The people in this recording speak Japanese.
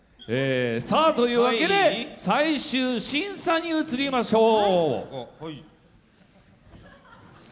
というわけで最終審査に移りましょう。